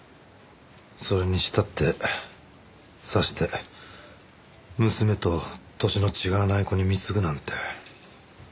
それにしたってさして娘と歳の違わない子に貢ぐなんて。